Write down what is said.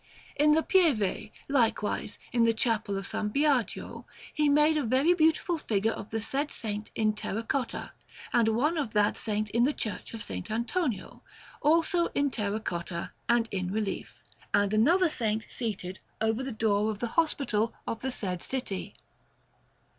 In the Pieve, likewise, in the Chapel of S. Biagio, he made a very beautiful figure of the said Saint in terra cotta; and one of that Saint in the Church of S. Antonio, also in terra cotta and in relief; and another Saint, seated, over the door of the hospital of the said city.